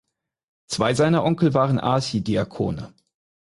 Zwei seiner Onkel waren Archidiakone.